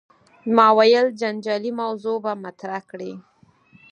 ما ویل جنجالي موضوع به مطرح کړې.